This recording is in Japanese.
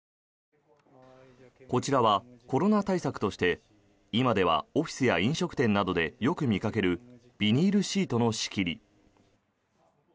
こちらはコロナ対策として今ではオフィスや飲食店などでよく見掛けるビニールシートの仕切り。